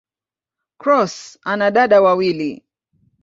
Cross ana dada wawili.